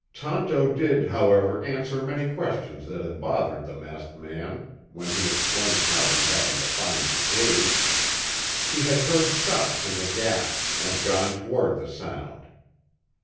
Tonto did, however, answer many questions that had bothered the masked man when he explained how he happened to find the cave. He had heard shots in the Gap, and gone toward the sound.